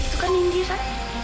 itu kan indira